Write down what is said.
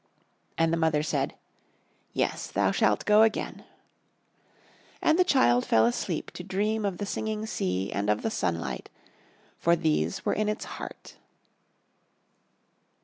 And the mother said: "Yes, thou shalt go again." And the child fell asleep to dream of the singing sea and of the sunlight, for these were in its heart.